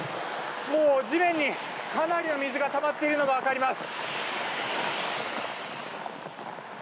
もう地面に、かなりの水がたまっているのが分かります。